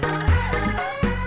kembali ketemu pertama kali